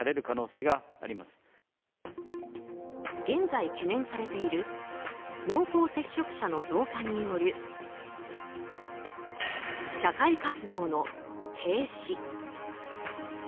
現在、懸念されている濃厚接触者の増加による社会活動の停止。